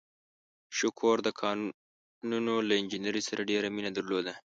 شکور د کانونو له انجنیرۍ سره ډېره مینه درلوده.